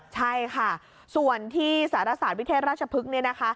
ใช่ค่ะส่วนที่ศาลศาสตร์วิเทศราชพฤกษ์